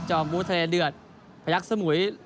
อมบูทะเลเดือดพยักษมุย